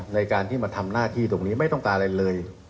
ในการที่มาทำหน้าที่ตรงนี้ไม่ต้องการอะไรเลย